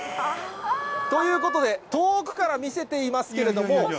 ということで、遠くから見せていますけれども。